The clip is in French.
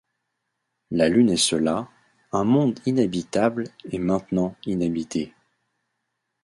La Lune est cela, un monde inhabitable et maintenant inhabité!